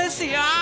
あ！